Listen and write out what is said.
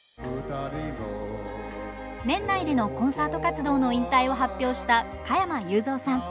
年内でのコンサート活動の引退を発表した加山雄三さん。